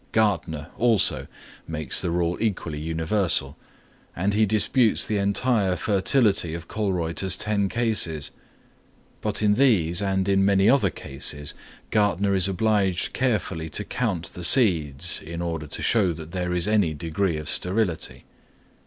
Gärtner, also, makes the rule equally universal; and he disputes the entire fertility of Kölreuter's ten cases. But in these and in many other cases, Gärtner is obliged carefully to count the seeds, in order to show that there is any degree of sterility.